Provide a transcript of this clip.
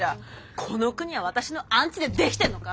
この国は私のアンチでできてんのか！